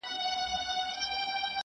د ډوډۍ پر وخت به خپل قصر ته تلله!